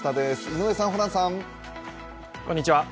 井上さん、ホランさん。